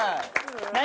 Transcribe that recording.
何？